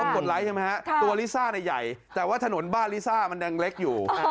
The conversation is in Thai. กดไลค์ใช่ไหมฮะตัวลิซ่าใหญ่แต่ว่าถนนบ้านลิซ่ามันยังเล็กอยู่